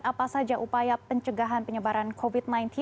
apa saja upaya pencegahan penyebaran covid sembilan belas